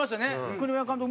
栗山監督